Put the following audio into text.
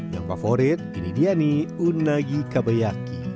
yang favorit ini dia nih unagi kabayaki